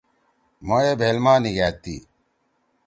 مھو اے بھیل ما نیکھأدتی